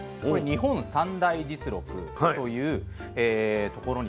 「日本三代実録」というところにですね